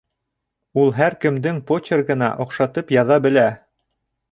Ул һәр кемдең почергына оҡшатып яҙа белә!